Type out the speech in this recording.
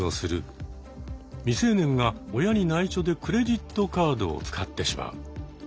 未成年が親にないしょでクレジットカードを使ってしまう。